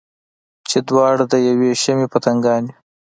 چې دواړه د یوې شمعې پتنګان یو.